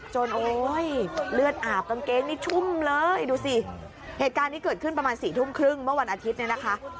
โอ๊ยเลือดอาบกางเกงนี่ชุ่มเลยดูสิเหตุการณ์นี้เกิดขึ้นประมาณสี่ทุ่มครึ่งเมื่อวันอาทิตย์เนี่ยนะคะ